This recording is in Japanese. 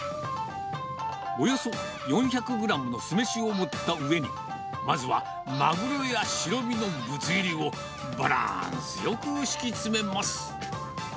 およそ４００グラムの酢飯を盛った上に、まずはまぐろや白身のぶつ切りを、バランスよく敷き詰めます。